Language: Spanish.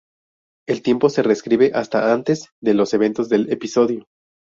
El tiempo se reescribe hasta antes de los eventos del episodio.